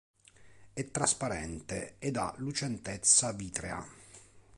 È trasparente ed ha lucentezza vitrea.